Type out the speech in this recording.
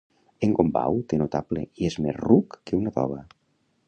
En Gombau té notable i és més ruc que una tova.